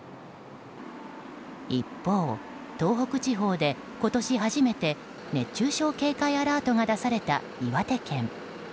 一方、東北地方で今年初めて熱中症警戒アラートが出された岩手県。